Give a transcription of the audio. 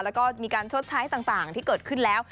แล้วก็มีการชดใช้ต่างที่เกิดขึ้นแล้ว